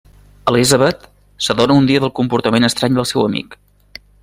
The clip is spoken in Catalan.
Elizabeth s'adona un dia del comportament estrany del seu amic.